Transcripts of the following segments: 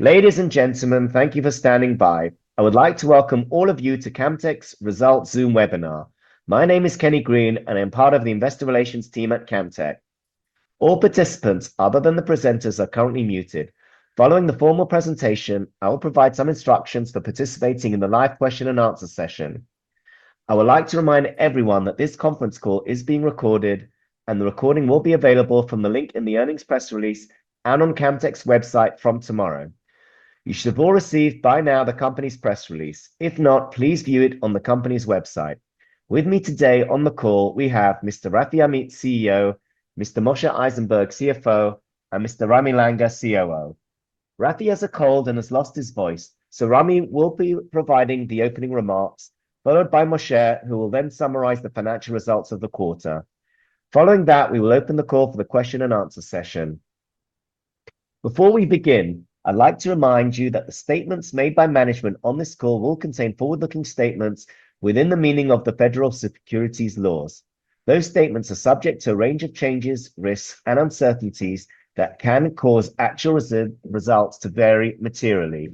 Ladies and gentlemen, thank you for standing by. I would like to welcome all of you to Camtek's result Zoom webinar. My name is Kenny Green, and I'm part of the Investor Relations team at Camtek. All participants other than the presenters are currently muted. Following the formal presentation, I will provide some instructions for participating in the live question and answer session. I would like to remind everyone that this conference call is being recorded, and the recording will be available from the link in the earnings press release and on Camtek's website from tomorrow. You should have all received by now the company's press release. If not, please view it on the company's website. With me today on the call, we have Mr. Rafi Amit, CEO, Mr. Moshe Eisenberg, CFO, and Mr. Ramy Langer, COO. Rafi has a cold and has lost his voice, so Ramy will be providing the opening remarks, followed by Moshe, who will then summarize the financial results of the quarter. Following that, we will open the call for the question-and-answer session. Before we begin, I'd like to remind you that the statements made by management on this call will contain forward-looking statements within the meaning of the Federal Securities laws. Those statements are subject to a range of changes, risks, and uncertainties that can cause actual results to vary materially.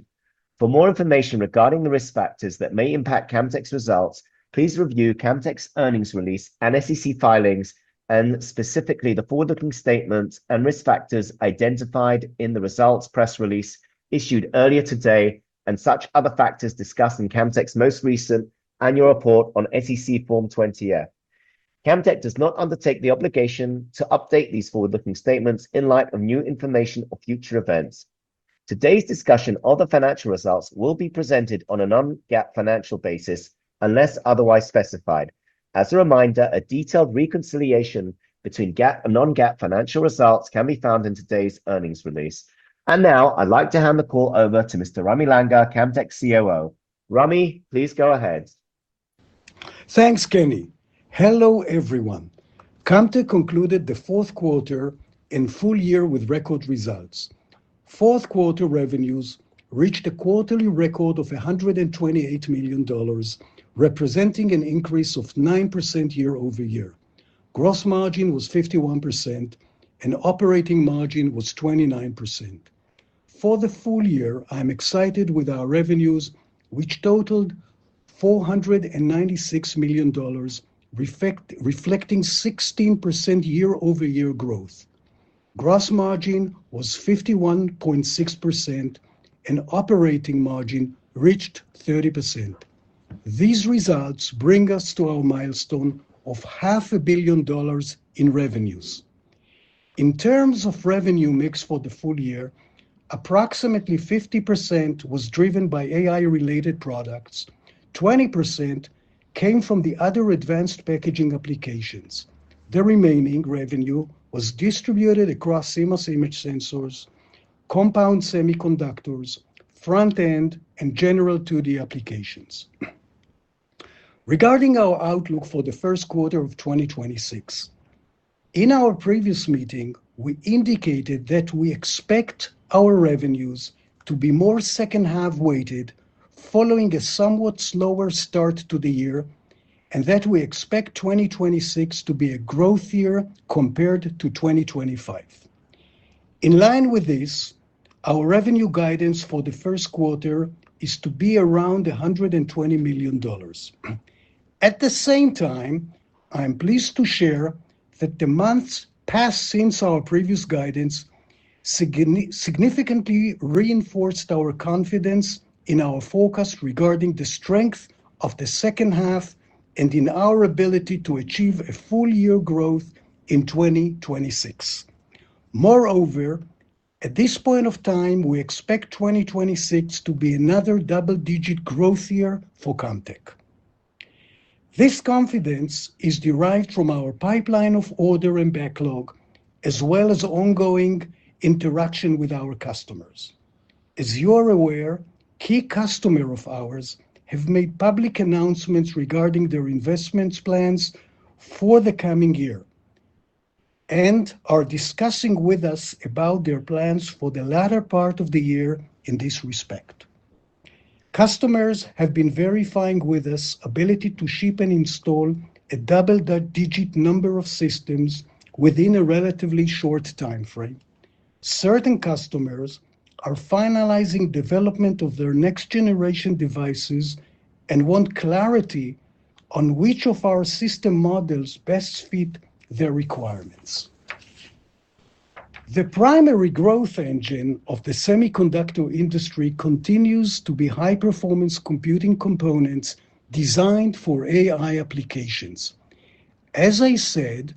For more information regarding the risk factors that may impact Camtek's results, please review Camtek's earnings release and SEC filings, and specifically, the forward-looking statements and risk factors identified in the results press release issued earlier today, and such other factors discussed in Camtek's most recent annual report on SEC Form 20-F. Camtek does not undertake the obligation to update these forward-looking statements in light of new information or future events. Today's discussion of the financial results will be presented on a non-GAAP financial basis, unless otherwise specified. As a reminder, a detailed reconciliation between GAAP and non-GAAP financial results can be found in today's earnings release. Now, I'd like to hand the call over to Mr. Ramy Langer, Camtek's COO. Ramy, please go ahead. Thanks, Kenny. Hello, everyone. Camtek concluded the fourth quarter and full year with record results. Fourth quarter revenues reached a quarterly record of $128 million, representing an increase of 9% year-over-year. Gross margin was 51%, and operating margin was 29%. For the full year, I'm excited with our revenues, which totaled $496 million, reflecting 16% year-over-year growth. Gross margin was 51.6%, and operating margin reached 30%. These results bring us to our milestone of $500 million in revenues. In terms of revenue mix for the full year, approximately 50% was driven by AI-related products. 20% came from the other advanced packaging applications. The remaining revenue was distributed across CMOS Image Sensors, Compound Semiconductors, Front-end, and general 2D applications. Regarding our outlook for the first quarter of 2026, in our previous meeting, we indicated that we expect our revenues to be more second-half weighted, following a somewhat slower start to the year, and that we expect 2026 to be a growth year compared to 2025. In line with this, our revenue guidance for the first quarter is to be around $120 million. At the same time, I'm pleased to share that the months passed since our previous guidance significantly reinforced our confidence in our forecast regarding the strength of the second half and in our ability to achieve a full year growth in 2026. Moreover, at this point of time, we expect 2026 to be another double-digit growth year for Camtek. This confidence is derived from our pipeline of order and backlog, as well as ongoing interaction with our customers. As you are aware, key customer of ours have made public announcements regarding their investments plans for the coming year and are discussing with us about their plans for the latter part of the year in this respect. Customers have been verifying with us ability to ship and install a double-digit number of systems within a relatively short timeframe. Certain customers are finalizing development of their next generation devices and want clarity on which of our system models best fit their requirements. The primary growth engine of the semiconductor industry continues to be high-performance computing components designed for AI applications. As I said,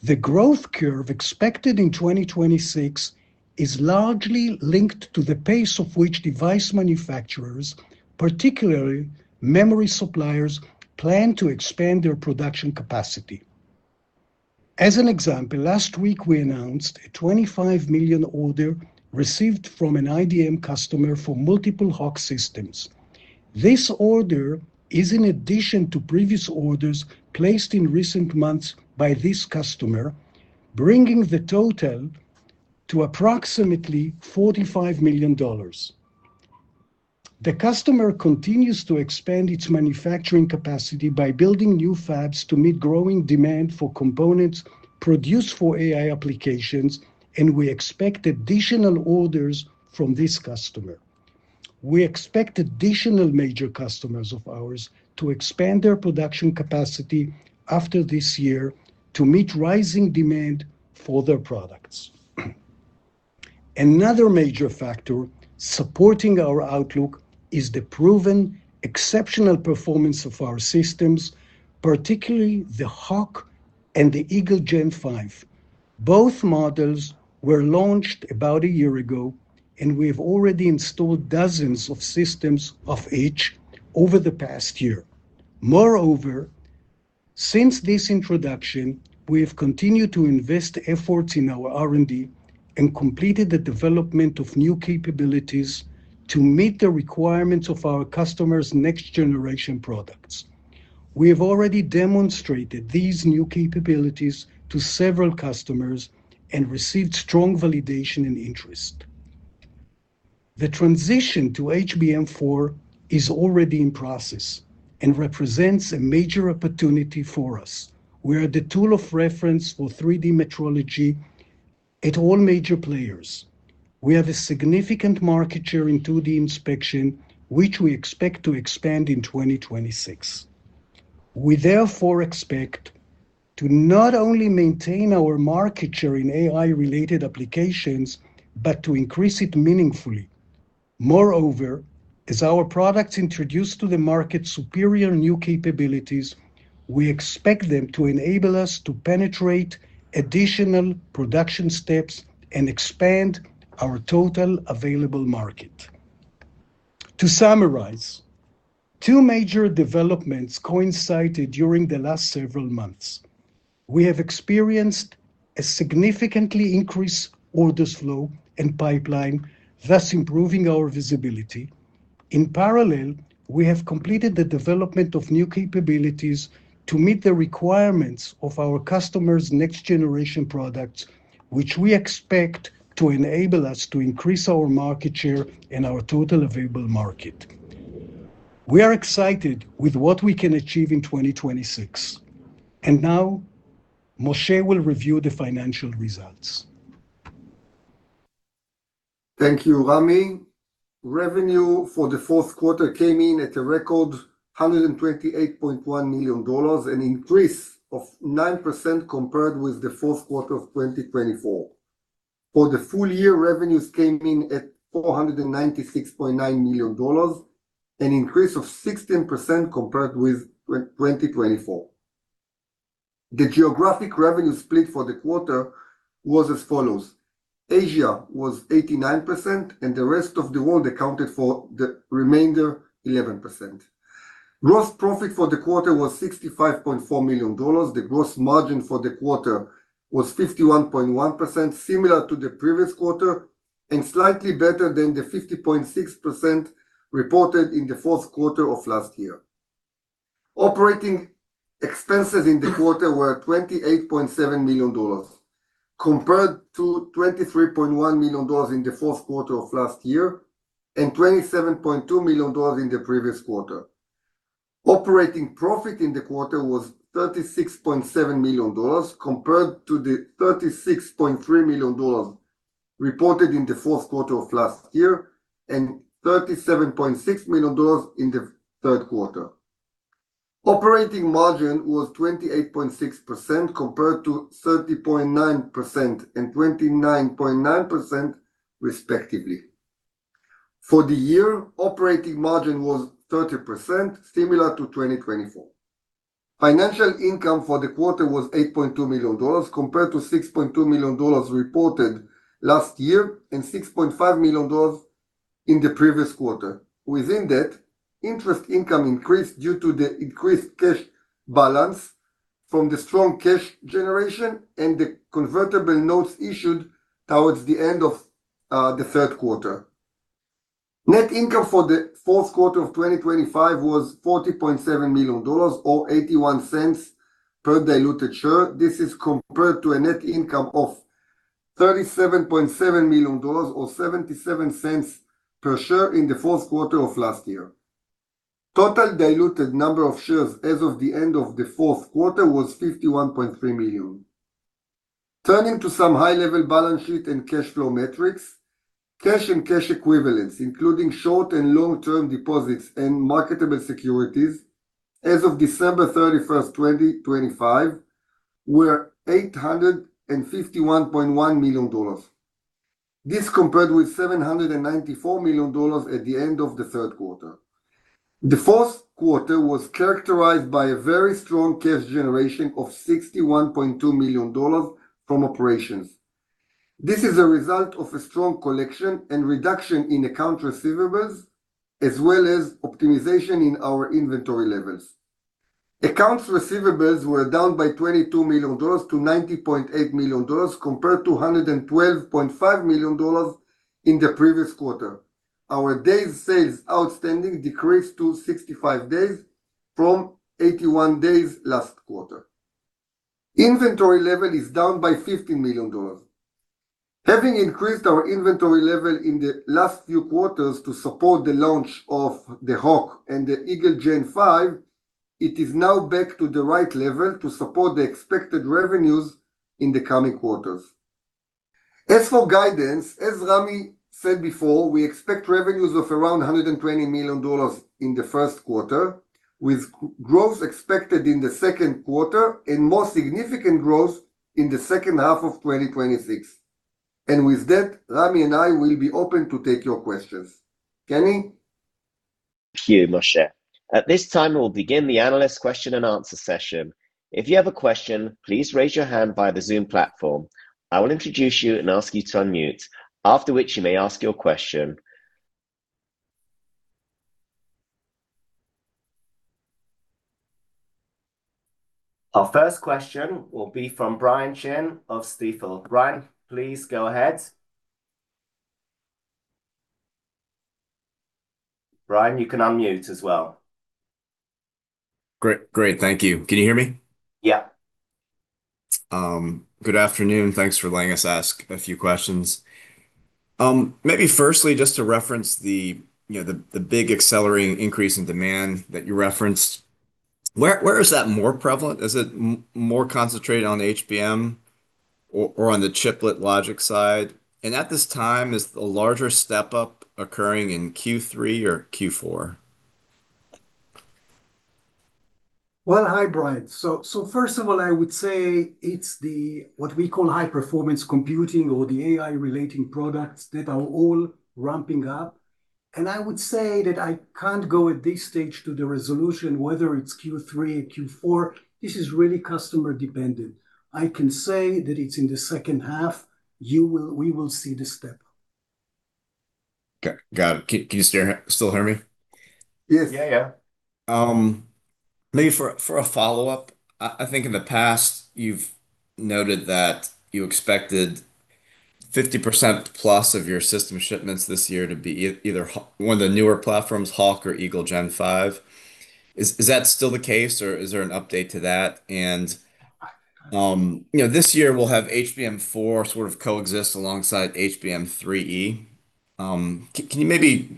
the growth curve expected in 2026 is largely linked to the pace of which device manufacturers, particularly memory suppliers, plan to expand their production capacity. As an example, last week we announced a $25 million order received from an IDM customer for multiple Hawk systems. This order is in addition to previous orders placed in recent months by this customer, bringing the total to approximately $45 million. The customer continues to expand its manufacturing capacity by building new fabs to meet growing demand for components produced for AI applications, and we expect additional orders from this customer. We expect additional major customers of ours to expand their production capacity after this year to meet rising demand for their products. Another major factor supporting our outlook is the proven exceptional performance of our systems, particularly the Hawk and the Eagle G5. Both models were launched about a year ago, and we've already installed dozens of systems of each over the past year. Moreover, since this introduction, we have continued to invest efforts in our R&D and completed the development of new capabilities to meet the requirements of our customers' next generation products. We have already demonstrated these new capabilities to several customers and received strong validation and interest. The transition to HBM4 is already in process and represents a major opportunity for us. We are the tool of reference for 3D metrology at all major players. We have a significant market share in 2D inspection, which we expect to expand in 2026. We therefore expect to not only maintain our market share in AI-related applications, but to increase it meaningfully. Moreover, as our products introduce to the market superior new capabilities, we expect them to enable us to penetrate additional production steps and expand our total available market. To summarize, two major developments coincided during the last several months. We have experienced a significantly increased orders flow and pipeline, thus improving our visibility. In parallel, we have completed the development of new capabilities to meet the requirements of our customers' next generation products, which we expect to enable us to increase our market share and our total available market. We are excited with what we can achieve in 2026. Now, Moshe will review the financial results. Thank you, Ramy. Revenue for the fourth quarter came in at a record $128.1 million, an increase of 9% compared with the fourth quarter of 2024. For the full year, revenues came in at $496.9 million, an increase of 16% compared with 2024. The geographic revenue split for the quarter was as follows: Asia was 89%, and the rest of the world accounted for the remainder, 11%. Gross profit for the quarter was $65.4 million. The gross margin for the quarter was 51.1%, similar to the previous quarter, and slightly better than the 50.6% reported in the fourth quarter of last year. Operating expenses in the quarter were $28.7 million, compared to $23.1 million in the fourth quarter of last year and $27.2 million in the previous quarter. Operating profit in the quarter was $36.7 million, compared to the $36.3 million reported in the fourth quarter of last year and $37.6 million in the third quarter. Operating margin was 28.6%, compared to 30.9% and 29.9%, respectively. For the year, operating margin was 30%, similar to 2024. Financial income for the quarter was $8.2 million, compared to $6.2 million reported last year and $6.5 million in the previous quarter. Within that, interest income increased due to the increased cash balance from the strong cash generation and the convertible notes issued towards the end of the third quarter. Net income for the fourth quarter of 2025 was $40.7 million, or $0.81 per diluted share. This is compared to a net income of $37.7 million, or $0.77 per share in the fourth quarter of last year. Total diluted number of shares as of the end of the fourth quarter was 51.3 million. Turning to some high-level balance sheet and cash flow metrics. Cash and cash equivalents, including short and long-term deposits and marketable securities, as of December 31, 2025, were $851.1 million. This compared with $794 million at the end of the third quarter. The fourth quarter was characterized by a very strong cash generation of $61.2 million from operations. This is a result of a strong collection and reduction in account receivables, as well as optimization in our inventory levels. Accounts receivables were down by $22 million to $90.8 million, compared to $112.5 million in the previous quarter. Our days sales outstanding decreased to 65 days from 81 days last quarter. Inventory level is down by $15 million. Having increased our inventory level in the last few quarters to support the launch of the Hawk and the Eagle G5, it is now back to the right level to support the expected revenues in the coming quarters. As for guidance, as Ramy said before, we expect revenues of around $120 million in the first quarter, with growth expected in the second quarter and more significant growth in the second half of 2026. And with that, Ramy and I will be open to take your questions. Kenny? Thank you, Moshe. At this time, we'll begin the analyst question-and-answer session. If you have a question, please raise your hand via the Zoom platform. I will introduce you and ask you to unmute, after which you may ask your question. Our first question will be from Brian Chin of Stifel. Brian, please go ahead. Brian, you can unmute as well. Great. Great, thank you. Can you hear me? Yeah. Good afternoon. Thanks for letting us ask a few questions. Maybe firstly, just to reference the, you know, the big accelerating increase in demand that you referenced. Where is that more prevalent? Is it more concentrated on HBM or on the Chiplet logic side? And at this time, is the larger step-up occurring in Q3 or Q4? Well, hi, Brian. So, so first of all, I would say it's the, what we call high-performance computing or the AI-relating products that are all ramping up. And I would say that I can't go at this stage to the resolution, whether it's Q3 or Q4. This is really customer-dependent. I can say that it's in the second half, you will- we will see the step. Got it. Can you still hear me? Yes. Yeah, yeah. Maybe for a follow-up, I think in the past, you've noted that you expected 50% plus of your system shipments this year to be either one of the newer platforms, Hawk or Eagle G5. Is that still the case, or is there an update to that? And, you know, this year we'll have HBM4 sort of coexist alongside HBM3E. Can you maybe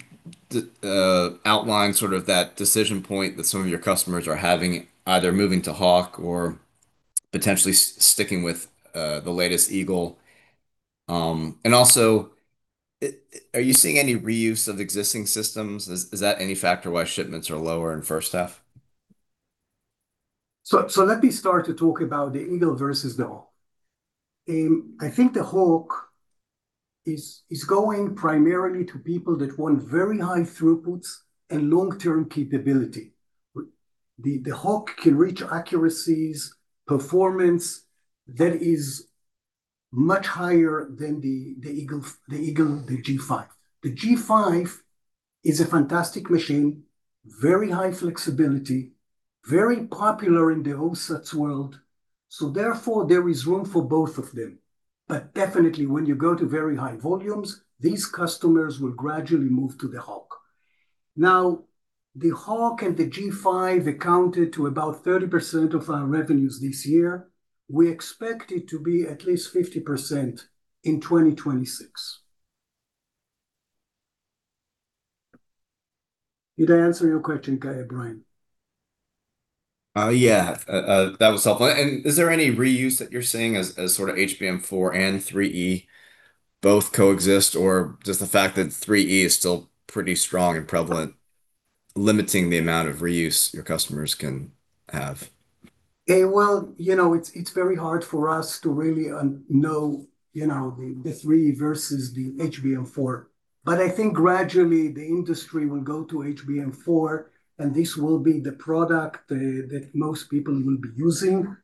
outline sort of that decision point that some of your customers are having, either moving to Hawk or potentially sticking with the latest Eagle? And also, are you seeing any reuse of existing systems? Is that any factor why shipments are lower in first half? So, let me start to talk about the Eagle versus the Hawk. I think the Hawk is going primarily to people that want very high throughputs and long-term capability. The Hawk can reach accuracies, performance that is much higher than the Eagle, the G5. The G5 is a fantastic machine, very high flexibility, very popular in the OSATs world, so therefore, there is room for both of them. But definitely, when you go to very high volumes, these customers will gradually move to the Hawk. Now, the Hawk and the G5 accounted for about 30% of our revenues this year. We expect it to be at least 50% in 2026. Did I answer your question, Brian? Yeah, that was helpful. Is there any reuse that you're seeing as sort of HBM4 and 3E both coexist, or just the fact that 3E is still pretty strong and prevalent, limiting the amount of reuse your customers can have? Well, you know, it's very hard for us to really know, you know, the 3E versus the HBM4. But I think gradually the industry will go to HBM4, and this will be the product that most people will be using.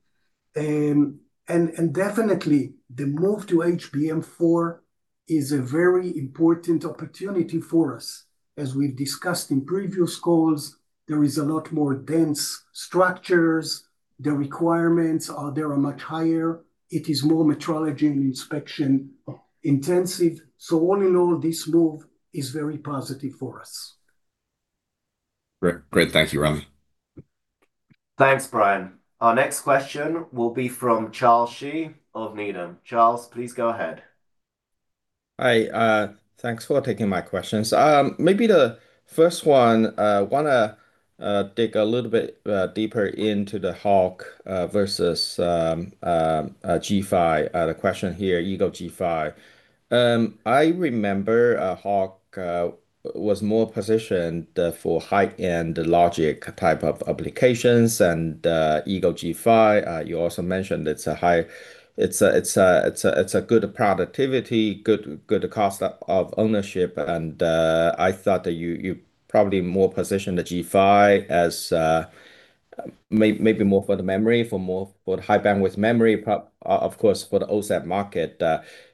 And definitely, the move to HBM4 is a very important opportunity for us. As we've discussed in previous calls, there is a lot more dense structures. The requirements are much higher. It is more metrology and inspection intensive. So all in all, this move is very positive for us. Great. Great. Thank you, Ramy. Thanks, Brian. Our next question will be from Charles Shi of Needham. Charles, please go ahead. Hi, thanks for taking my questions. Maybe the first one, I want to dig a little bit deeper into the Hawk versus G5. The question here, Eagle G5. I remember Hawk was more positioned for high-end logic type of applications, and Eagle G5, you also mentioned it's a good productivity, good cost of ownership, and I thought that you probably more positioned the G5 as maybe more for the memory, for High Bandwidth Memory, of course, for the OSAT market.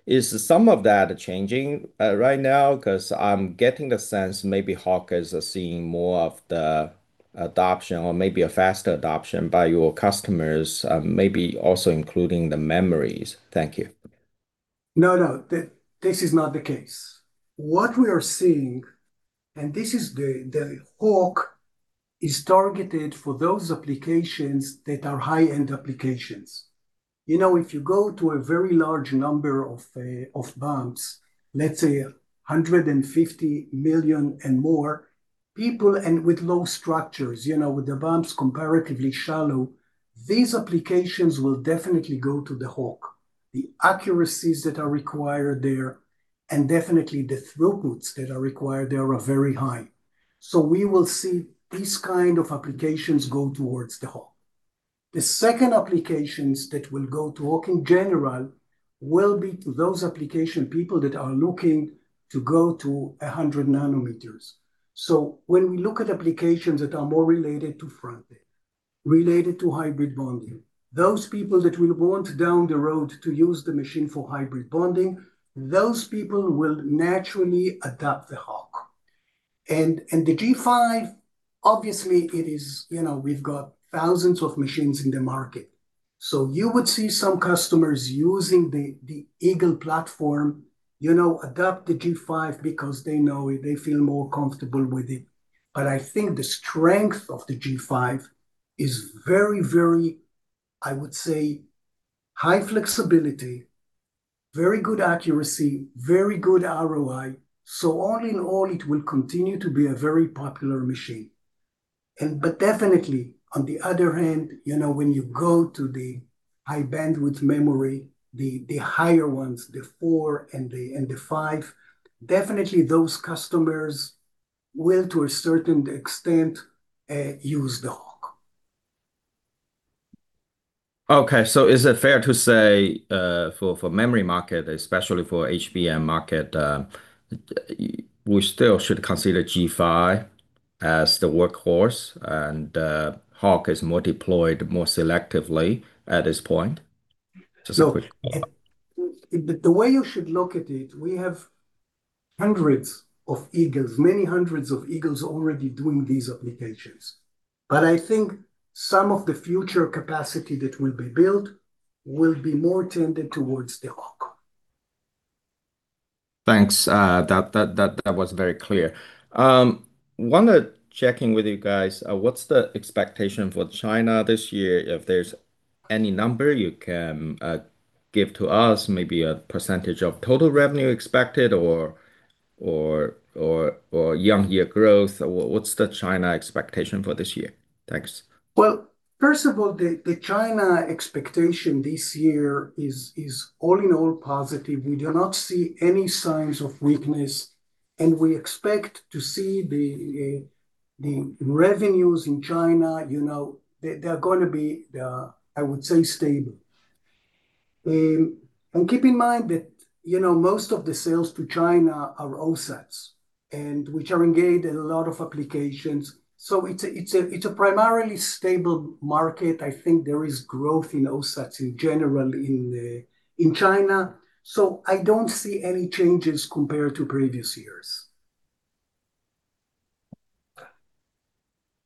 Is some of that changing right now? 'Cause I'm getting the sense maybe Hawk is seeing more of the adoption or maybe a faster adoption by your customers, maybe also including the memories. Thank you. No, no, this is not the case. What we are seeing, and this is the Hawk is targeted for those applications that are high-end applications. You know, if you go to a very large number of, of bumps, let's say 150 million and more, people, and with low structures, you know, with the bumps comparatively shallow, these applications will definitely go to the Hawk. The accuracies that are required there, and definitely the throughputs that are required there, are very high. So we will see these kind of applications go towards the Hawk. The second applications that will go to Hawk in general will be to those application people that are looking to go to 100 nm. So when we look at applications that are more related to Front-end, related to Hybrid Bonding, those people that will want down the road to use the machine for Hybrid Bonding, those people will naturally adopt the Hawk. And, and the G5, obviously it is. You know, we've got thousands of machines in the market. So you would see some customers using the, the Eagle platform, you know, adopt the G5 because they know it, they feel more comfortable with it. But I think the strength of the G5 is very, very, I would say, high flexibility, very good accuracy, very good ROI. So all in all, it will continue to be a very popular machine. Definitely, on the other hand, you know, when you go to the High Bandwidth Memory, the higher ones, the 4 and the 5, definitely those customers will, to a certain extent, use the Hawk. Okay, so is it fair to say, for, for memory market, especially for HBM market, we still should consider G5 as the workhorse, and, Hawk is more deployed more selectively at this point? Just a quick- So, the way you should look at it, we have hundreds of Eagles, many hundreds of Eagles already doing these applications. But I think some of the future capacity that will be built will be more tended towards the Hawk. Thanks. That was very clear. Wanted checking with you guys, what's the expectation for China this year? If there's any number you can give to us, maybe a percentage of total revenue expected or year-on-year growth, what's the China expectation for this year? Thanks. Well, first of all, the China expectation this year is all in all positive. We do not see any signs of weakness, and we expect to see the revenues in China, you know, they are gonna be, I would say, stable. And keep in mind that, you know, most of the sales to China are OSATs, and which are engaged in a lot of applications. So it's a primarily stable market. I think there is growth in OSATs in general in China, so I don't see any changes compared to previous years.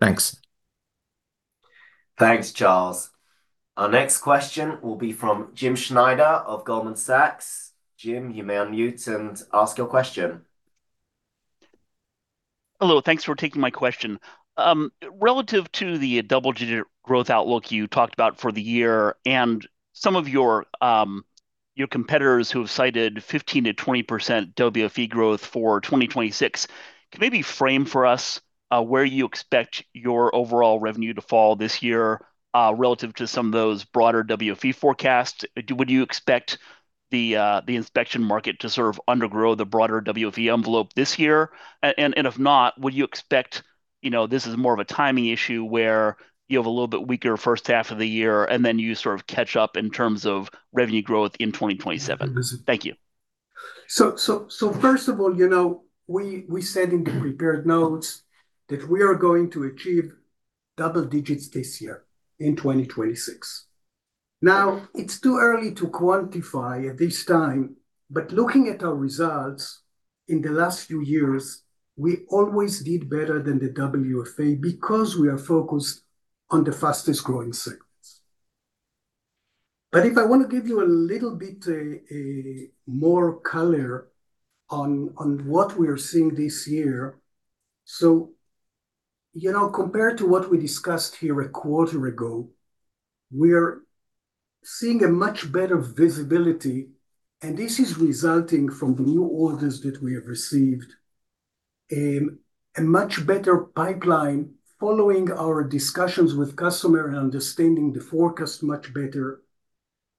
Thanks. Thanks, Charles. Our next question will be from Jim Schneider of Goldman Sachs. Jim, you may unmute and ask your question. Hello. Thanks for taking my question. Relative to the double-digit growth outlook you talked about for the year, and some of your competitors who have cited 15%-20% WFE growth for 2026, can you maybe frame for us where you expect your overall revenue to fall this year, relative to some of those broader WFE forecasts? Would you expect the inspection market to sort of undergrow the broader WFE envelope this year? And if not, would you expect, you know, this is more of a timing issue, where you have a little bit weaker first half of the year, and then you sort of catch up in terms of revenue growth in 2027? Yes. Thank you. So first of all, you know, we said in the prepared notes that we are going to achieve double digits this year, in 2026. Now, it's too early to quantify at this time, but looking at our results in the last few years, we always did better than the WFE, because we are focused on the fastest-growing segments. But if I want to give you a little bit, a more color on what we are seeing this year, so, you know, compared to what we discussed here a quarter ago, we are seeing a much better visibility, and this is resulting from the new orders that we have received. A much better pipeline following our discussions with customer and understanding the forecast much better.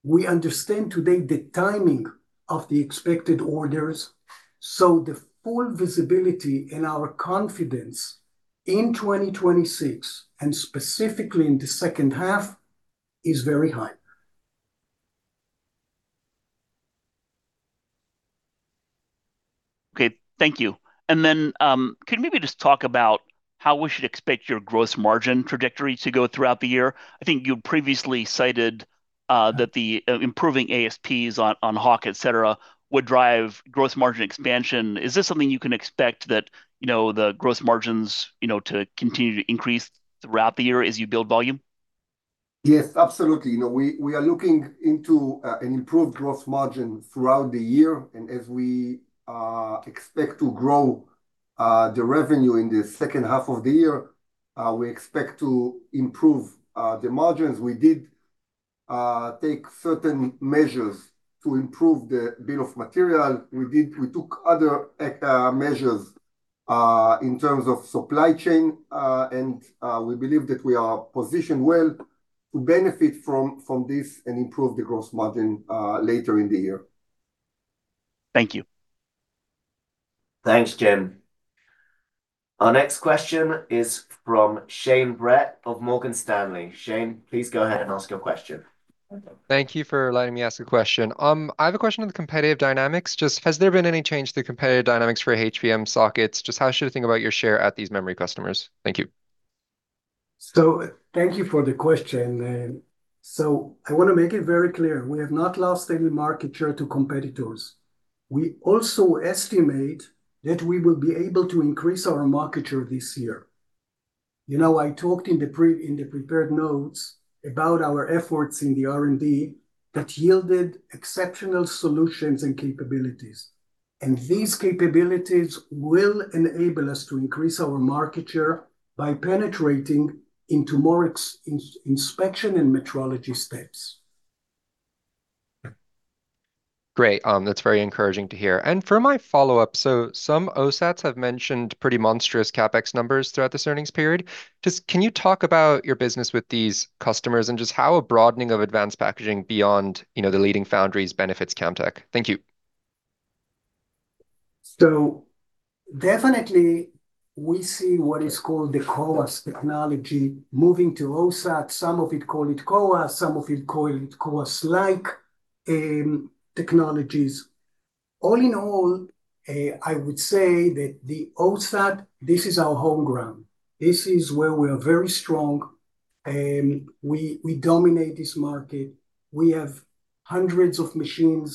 We understand today the timing of the expected orders, so the full visibility and our confidence in 2026, and specifically in the second half, is very high. Okay. Thank you. And then, could you maybe just talk about how we should expect your gross margin trajectory to go throughout the year? I think you previously cited that the improving ASPs on Hawk, et cetera, would drive gross margin expansion. Is this something you can expect that, you know, the gross margins, you know, to continue to increase throughout the year as you build volume? Yes, absolutely. You know, we are looking into an improved gross margin throughout the year, and as we expect to grow the revenue in the second half of the year, we expect to improve the margins. We did take certain measures to improve the bill of material. We took other measures in terms of supply chain, and we believe that we are positioned well to benefit from this and improve the gross margin later in the year. Thank you. Thanks, Jim. Our next question is from Shane Brett of Morgan Stanley. Shane, please go ahead and ask your question. Thank you for allowing me to ask a question. I have a question on the competitive dynamics. Just, has there been any change to the competitive dynamics for HBM sockets? Just how should I think about your share at these memory customers? Thank you. Thank you for the question, Shane. I want to make it very clear, we have not lost any market share to competitors. We also estimate that we will be able to increase our market share this year. You know, I talked in the prepared notes about our efforts in the R&D that yielded exceptional solutions and capabilities, and these capabilities will enable us to increase our market share by penetrating into more inspection and metrology steps. Great. That's very encouraging to hear. And for my follow-up, so some OSATs have mentioned pretty monstrous CapEx numbers throughout this earnings period. Just can you talk about your business with these customers, and just how a broadening of advanced packaging beyond, you know, the leading foundries benefits Camtek? Thank you. So definitely we see what is called the CoWoS technology moving to OSAT. Some of it call it CoWoS, some of it call it CoWoS-like technologies. All in all, I would say that the OSAT, this is our home ground. This is where we are very strong, and we, we dominate this market. We have hundreds of machines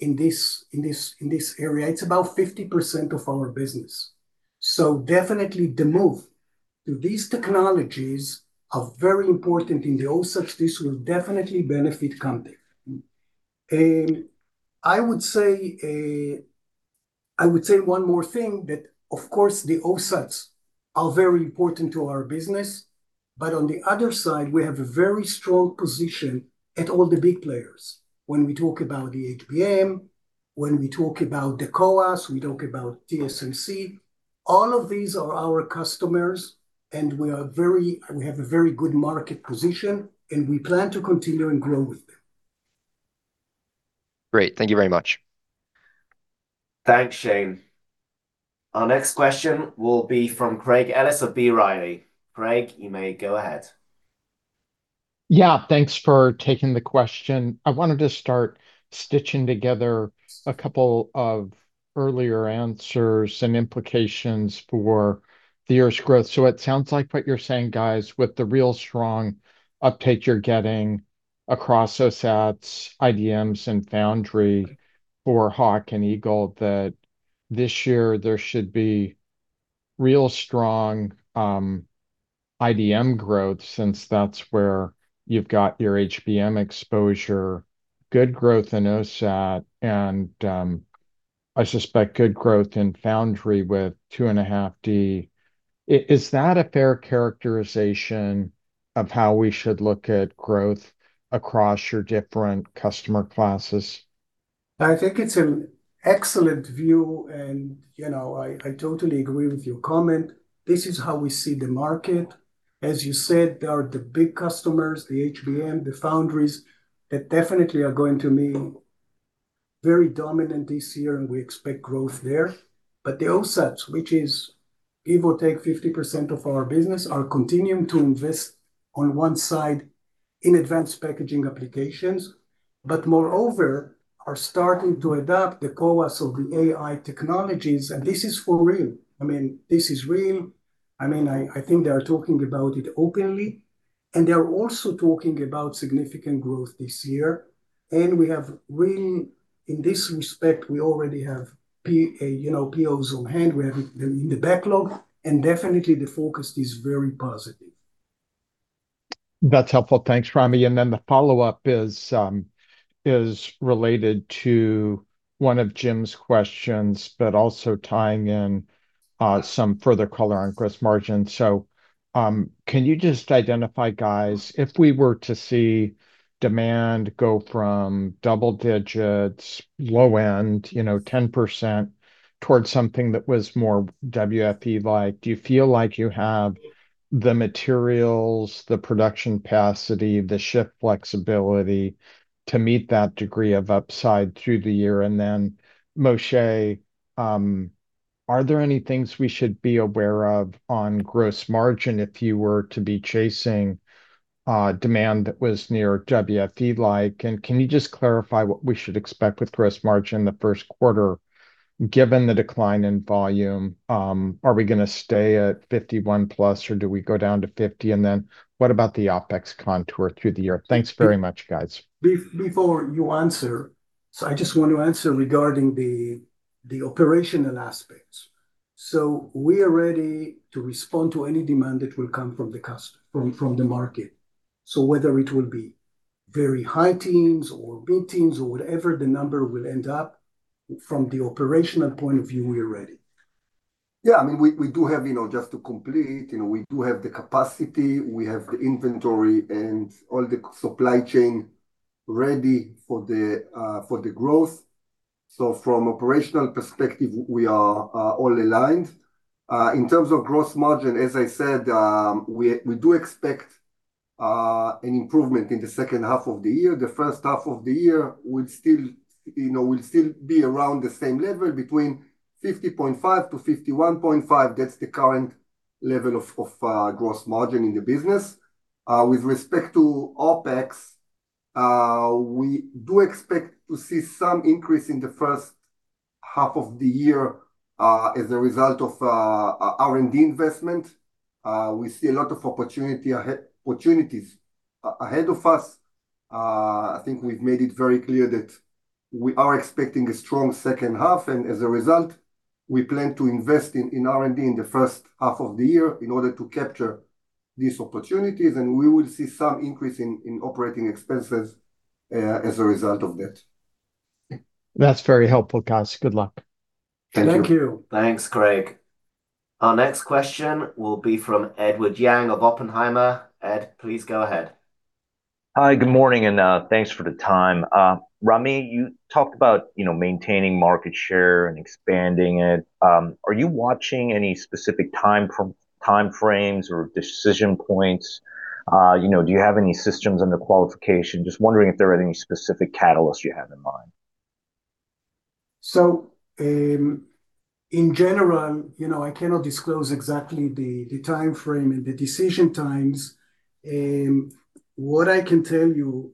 in this, in this, in this area. It's about 50% of our business. So definitely the move to these technologies are very important in the OSATs. This will definitely benefit Camtek. And I would say, I would say one more thing, that, of course, the OSATs are very important to our business, but on the other side, we have a very strong position at all the big players. When we talk about the HBM, when we talk about the CoWoS, we talk about TSMC, all of these are our customers, and we have a very good market position, and we plan to continue and grow with them. Great. Thank you very much. Thanks, Shane. Our next question will be from Craig Ellis of B. Riley. Craig, you may go ahead. Yeah, thanks for taking the question. I wanted to start stitching together a couple of earlier answers and implications for the year's growth. So it sounds like what you're saying, guys, with the real strong uptake you're getting across OSATs, IDMs, and foundry for Hawk and Eagle, that this year there should be real strong IDM growth, since that's where you've got your HBM exposure, good growth in OSAT, and I suspect good growth in foundry with 2.5D. Is that a fair characterization of how we should look at growth across your different customer classes? I think it's an excellent view, and, you know, I totally agree with your comment. This is how we see the market. As you said, there are the big customers, the HBM, the foundries, that definitely are going to be very dominant this year, and we expect growth there. But the OSATs, which is give or take 50% of our business, are continuing to invest, on one side, in advanced packaging applications, but moreover, are starting to adopt the CoWoS of the AI technologies, and this is for real. I mean, this is real. I mean, I think they are talking about it openly, and they are also talking about significant growth this year, and we have real. In this respect, we already have P- you know, POs on hand. We have it in the backlog, and definitely the focus is very positive. That's helpful. Thanks, Ramy. And then the follow-up is related to one of Jim's questions, but also tying in some further color on gross margin. So, can you just identify, guys, if we were to see demand go from double digits, low end, you know, 10%, towards something that was more WFE-like, do you feel like you have the materials, the production capacity, the shift flexibility to meet that degree of upside through the year? And then, Moshe, are there any things we should be aware of on gross margin if you were to be chasing demand that was near WFE-like? And can you just clarify what we should expect with gross margin in the first quarter, given the decline in volume? Are we going to stay at 51%+, or do we go down to 50%? And then what about the OpEx contour through the year? Thanks very much, guys. Before you answer, so I just want to answer regarding the operational aspects. So we are ready to respond to any demand that will come from the customer, from the market. So whether it will be very high teens or mid-teens or whatever the number will end up, from the operational point of view, we are ready. Yeah, I mean, we do have, you know, just to complete, you know, we do have the capacity, we have the inventory, and all the supply chain ready for the growth. So from operational perspective, we are all aligned. In terms of gross margin, as I said, we do expect an improvement in the second half of the year. The first half of the year will still, you know, will still be around the same level, between 50.5%-51.5%. That's the current level of gross margin in the business. With respect to OpEx, we do expect to see some increase in the first half of the year, as a result of R&D investment. We see a lot of opportunities ahead of us. I think we've made it very clear that we are expecting a strong second half, and as a result, we plan to invest in R&D in the first half of the year in order to capture these opportunities, and we will see some increase in operating expenses as a result of that. That's very helpful, guys. Good luck. Thank you. Thank you. Thanks, Craig. Our next question will be from Edward Yang of Oppenheimer. Ed, please go ahead. Hi, good morning, and thanks for the time. Ramy, you talked about, you know, maintaining market share and expanding it. Are you watching any specific timeframes or decision points? You know, do you have any systems under qualification? Just wondering if there are any specific catalysts you have in mind. So, in general, you know, I cannot disclose exactly the, the timeframe and the decision times. What I can tell you,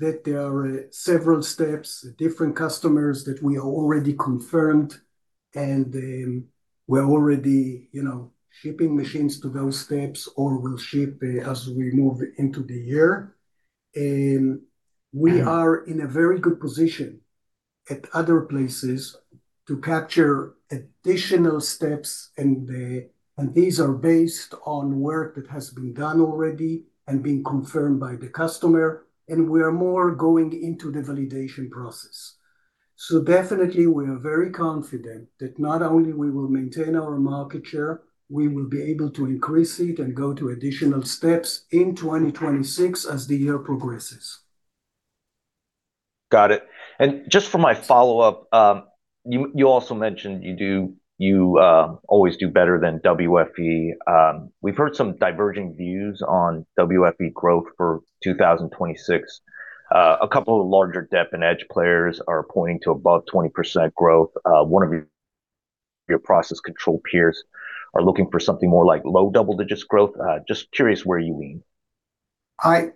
that there are, several steps, different customers that we are already confirmed, and, we're already, you know, shipping machines to those steps or will ship, as we move into the year. We are in a very good position at other places to capture additional steps, and, and these are based on work that has been done already and been confirmed by the customer, and we are more going into the validation process. So definitely we are very confident that not only we will maintain our market share, we will be able to increase it and go to additional steps in 2026 as the year progresses. Got it. And just for my follow-up, you also mentioned you do. You always do better than WFE. We've heard some diverging views on WFE growth for 2026. A couple of larger Dep and Etch players are pointing to above 20% growth. One of your process control peers are looking for something more like low double-digit growth. Just curious where you lean. I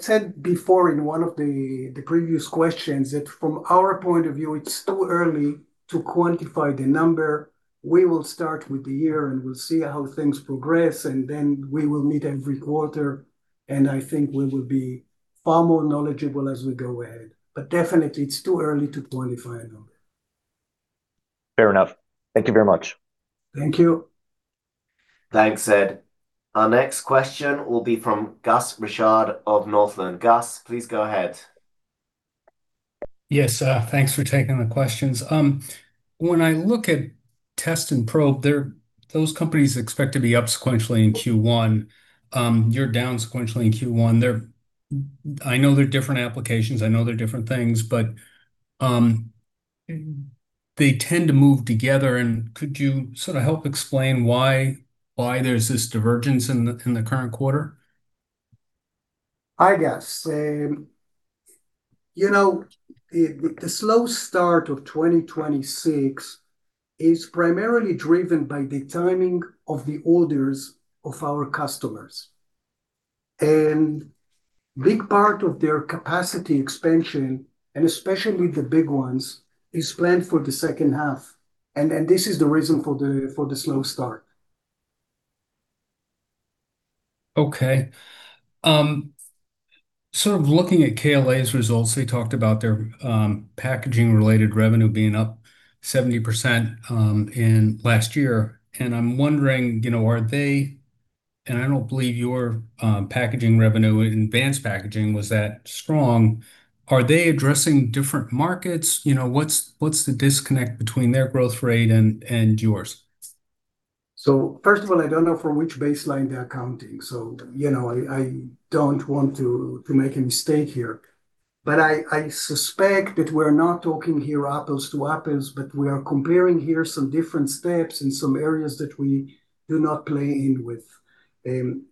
said before in one of the previous questions that from our point of view, it's too early to quantify the number. We will start with the year, and we'll see how things progress, and then we will meet every quarter, and I think we will be far more knowledgeable as we go ahead. But definitely, it's too early to quantify a number. Fair enough. Thank you very much. Thank you. Thanks, Ed. Our next question will be from Gus Richard of Northland. Gus, please go ahead. Yes, thanks for taking the questions. When I look at test and probe, those companies expect to be up sequentially in Q1. You're down sequentially in Q1. They're different applications, I know they're different things, but they tend to move together, and could you sort of help explain why there's this divergence in the current quarter? Hi, Gus. You know, the slow start of 2026 is primarily driven by the timing of the orders of our customers. A big part of their capacity expansion, and especially the big ones, is planned for the second half, and this is the reason for the slow start. Okay. Sort of looking at KLA's results, they talked about their packaging-related revenue being up 70% in last year, and I'm wondering, you know, are they, and I don't believe your packaging revenue in advanced packaging was that strong. Are they addressing different markets? You know, what's the disconnect between their growth rate and yours? So first of all, I don't know from which baseline they're counting, so, you know, I, I don't want to, to make a mistake here. But I, I suspect that we're not talking here apples to apples, but we are comparing here some different steps in some areas that we do not play in with.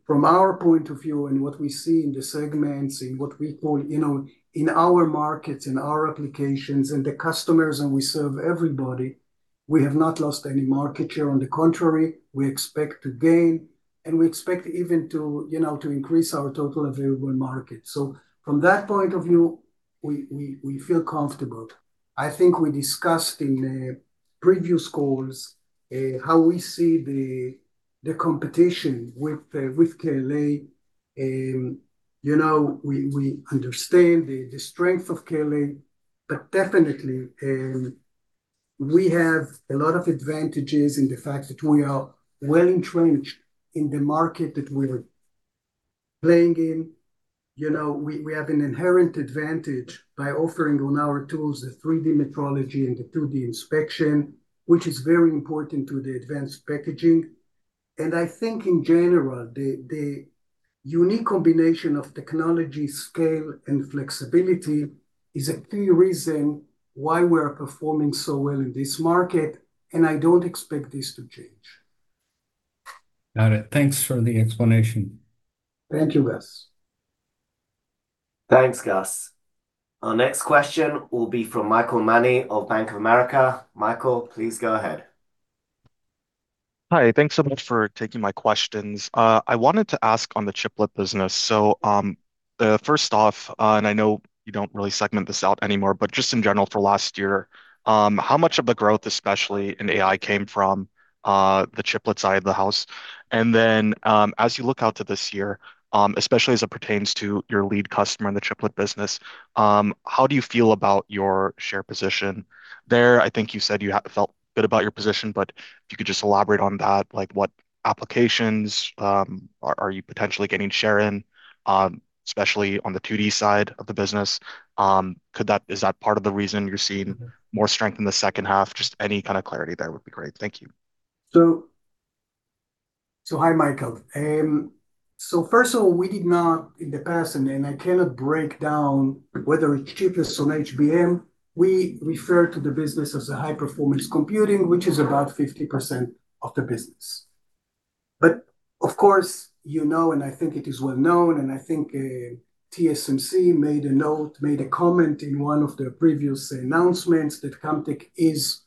From our point of view and what we see in the segments, in what we call, you know, in our markets, in our applications, and the customers, and we serve everybody, we have not lost any market share. On the contrary, we expect to gain, and we expect even to, you know, to increase our total available market. So from that point of view, we, we, we feel comfortable. I think we discussed in previous calls how we see the competition with KLA. You know, we understand the strength of KLA, but definitely, we have a lot of advantages in the fact that we are well-entrenched in the market that we're playing in. You know, we have an inherent advantage by offering on our tools the 3D metrology and the 2D inspection, which is very important to the advanced packaging. And I think in general, the unique combination of technology, scale, and flexibility is a key reason why we're performing so well in this market, and I don't expect this to change. Got it. Thanks for the explanation. Thank you, Gus. Thanks, Gus. Our next question will be from Michael Mani of Bank of America. Michael, please go ahead. Hi, thanks so much for taking my questions. I wanted to ask on the chiplet business. So, first off, and I know you don't really segment this out anymore, but just in general for last year, how much of the growth, especially in AI, came from the chiplet side of the house? And then, as you look out to this year, especially as it pertains to your lead customer in the chiplet business, how do you feel about your share position there? I think you said you felt good about your position, but if you could just elaborate on that, like, what applications are you potentially gaining share in, especially on the 2D side of the business? Is that part of the reason you're seeing more strength in the second half? Just any kind of clarity there would be great. Thank you. So, hi, Michael. So first of all, we did not in the past, and I cannot break down whether it's chiplets on HBM. We refer to the business as high-performance computing, which is about 50% of the business. But of course, you know, and I think it is well known, and I think TSMC made a comment in one of their previous announcements, that Camtek is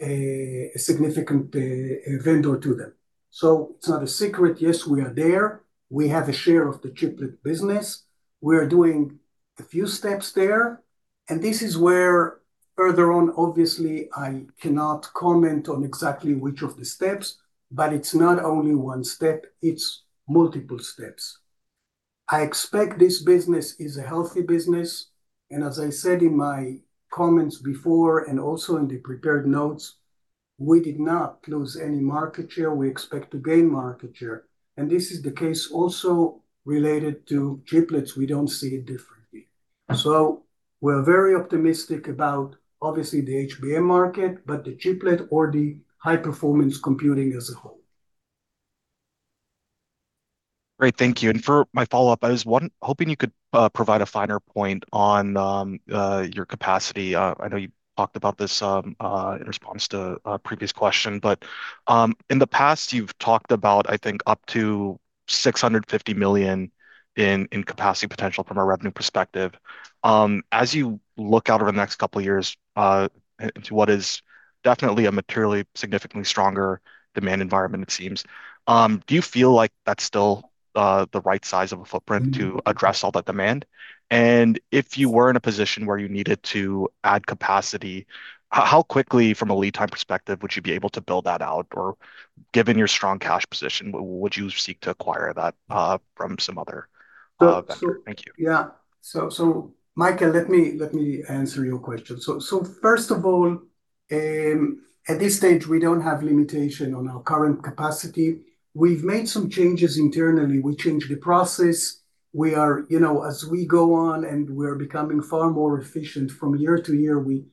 a significant vendor to them. So it's not a secret. Yes, we are there. We have a share of the chiplet business. We are doing a few steps there, and this is where, further on, obviously, I cannot comment on exactly which of the steps, but it's not only one step, it's multiple steps. I expect this business is a healthy business, and as I said in my comments before, and also in the prepared notes, we did not lose any market share. We expect to gain market share, and this is the case also related to chiplets, we don't see it differently. So we're very optimistic about, obviously, the HBM market, but the chiplet or the high-performance computing as a whole. Great, thank you. For my follow-up, I was hoping you could provide a finer point on your capacity. I know you talked about this in response to a previous question, but in the past, you've talked about, I think, up to $650 million in capacity potential from a revenue perspective. As you look out over the next couple of years into what is definitely a materially, significantly stronger demand environment, it seems do you feel like that's still the right size of a footprint to address all that demand? And if you were in a position where you needed to add capacity, how quickly, from a lead time perspective, would you be able to build that out? Or given your strong cash position, would you seek to acquire that, from some other, vendor? So- Thank you. Yeah. So, so Michael, let me, let me answer your question. So, so first of all, at this stage, we don't have limitation on our current capacity. We've made some changes internally. We changed the process. You know, as we go on and we're becoming far more efficient from year to year, we,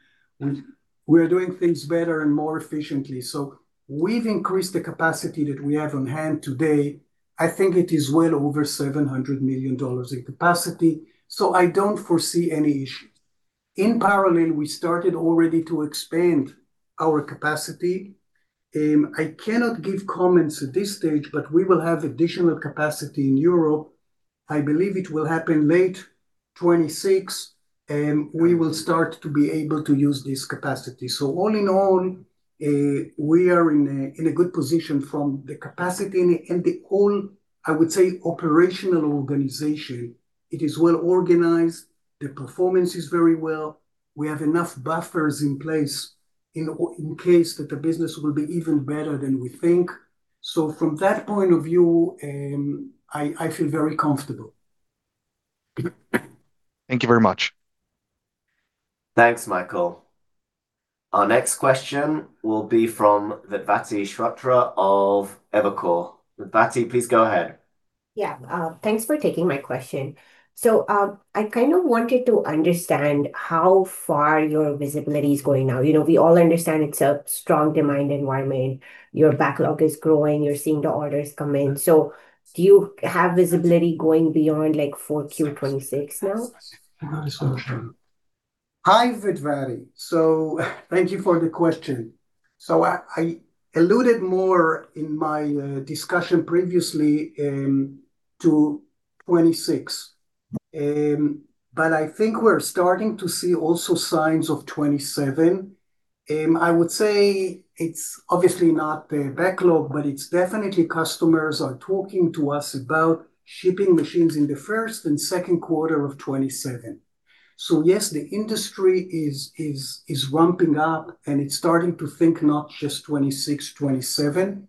we're doing things better and more efficiently. So we've increased the capacity that we have on hand today. I think it is well over $700 million in capacity, so I don't foresee any issues. In parallel, we started already to expand our capacity. I cannot give comments at this stage, but we will have additional capacity in Europe. I believe it will happen late 2026, we will start to be able to use this capacity. So all in all, we are in a good position from the capacity and the whole, I would say, operational organization. It is well organized, the performance is very well. We have enough buffers in place in case that the business will be even better than we think. So from that point of view, I feel very comfortable. Thank you very much. Thanks, Michael. Our next question will be from Vedvati Shrotre of Evercore. Vedvati, please go ahead. Yeah. Thanks for taking my question. So, I kind of wanted to understand how far your visibility is going now. You know, we all understand it's a strong demand environment. Your backlog is growing, you're seeing the orders come in. So do you have visibility going beyond, like, for Q26 now? Hi, Vedvati. So thank you for the question. So I alluded more in my discussion previously to 2026, but I think we're starting to see also signs of 2027. I would say it's obviously not the backlog, but it's definitely customers are talking to us about shipping machines in the first and second quarter of 2027. So yes, the industry is ramping up, and it's starting to think not just 2026, 2027.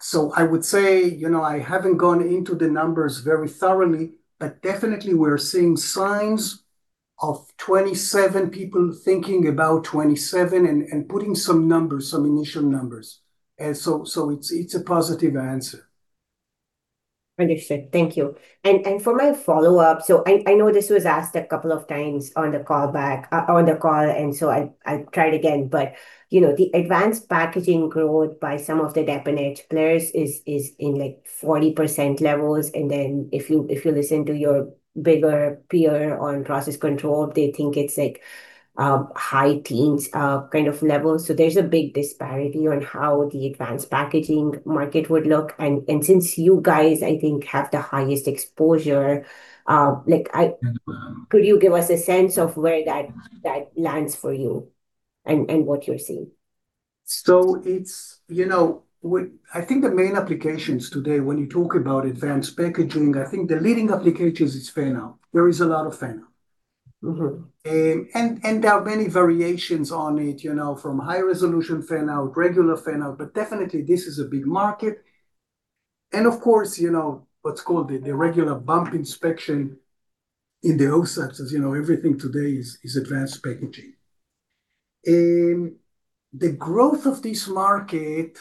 So I would say, you know, I haven't gone into the numbers very thoroughly, but definitely we're seeing signs of 2027, people thinking about 2027, and putting some numbers, some initial numbers. And so it's a positive answer. Understood. Thank you. And for my follow-up, so I know this was asked a couple of times on the call back, on the call, and so I'll try it again. But you know, the advanced packaging growth by some of the Dep and Etch players is in, like, 40% levels, and then if you listen to your bigger peer on process control, they think it's, like, high teens kind of levels. So there's a big disparity on how the advanced packaging market would look. And since you guys, I think, have the highest exposure, like, I- Could you give us a sense of where that, that lands for you and, and what you're seeing? So it's, you know, I think the main applications today, when you talk about advanced packaging, I think the leading applications is fan-out. There is a lot of fan-out. There are many variations on it, you know, from high-resolution fan-out, regular fan-out, but definitely this is a big market. Of course, you know, what's called the regular bump inspection in the old sense, as you know, everything today is advanced packaging. The growth of this market,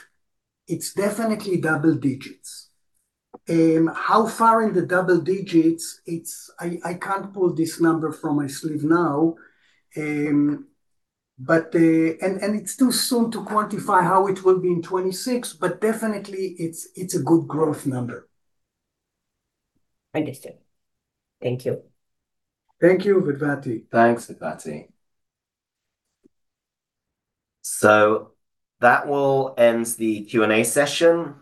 it's definitely double digits. How far in the double digits, I can't pull this number from my sleeve now, but it's too soon to quantify how it will be in 2026, but definitely it's a good growth number. Understood. Thank you. Thank you, Vedvati. Thanks, Vedvati. So that will end the Q&A session.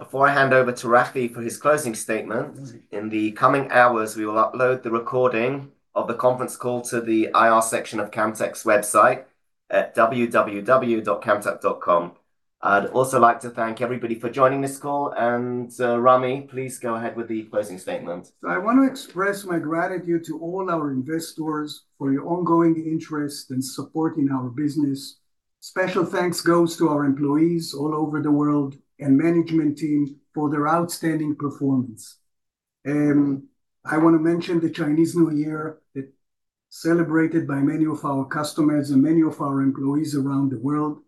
Before I hand over to Rafi for his closing statement, in the coming hours, we will upload the recording of the conference call to the IR section of Camtek's website at www.camtek.com. I'd also like to thank everybody for joining this call, and, Ramy, please go ahead with the closing statement. I want to express my gratitude to all our investors for your ongoing interest and support in our business. Special thanks goes to our employees all over the world, and management team for their outstanding performance. I want to mention the Chinese New Year, that celebrated by many of our customers and many of our employees around the world.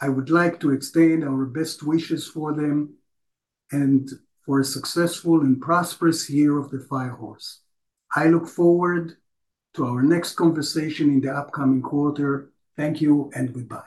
I would like to extend our best wishes for them, and for a successful and prosperous Year of the Fire Horse. I look forward to our next conversation in the upcoming quarter. Thank you, and goodbye.